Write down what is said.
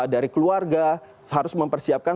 dari keluarga harus mempersiapkan